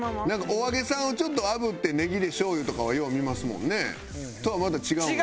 お揚げさんをちょっとあぶってネギでしょうゆとかはよう見ますもんね。とはまた違うん？